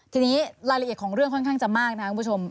ทีนี้รายละเอียดของเรื่องค่อนข้างจะมากนะครับคุณผู้ชม